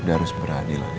udah harus berani lah ya